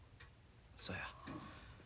そうや。